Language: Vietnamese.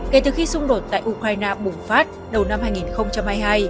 kể từ khi xung đột tại ukraine bùng phát đầu năm hai nghìn hai mươi hai